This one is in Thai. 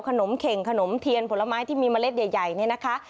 ขนมเข่งขนมเทียนผลไม้ที่มีเมล็ดใหญ่เนี่ยนะคะ